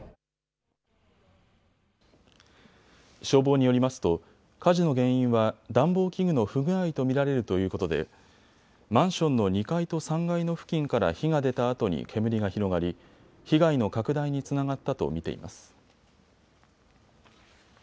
消防によりますと火事の原因は暖房器具の不具合と見られるということでマンションの２階と３階の付近から火が出たあとに煙が広がり被害の拡大につながったと見ています。